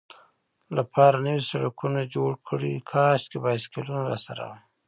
لپاره نوي سړکونه جوړ کړي، کاشکې بایسکلونه راسره وای.